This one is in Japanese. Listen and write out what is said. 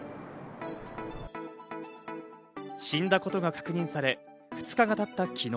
死んだことが確認され、２日が経った昨日。